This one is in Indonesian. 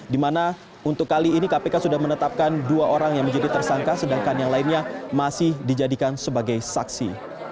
di mana untuk kali ini kpk sudah menetapkan dua orang yang menjadi tersangka sedangkan yang lainnya masih dijadikan sebagai saksi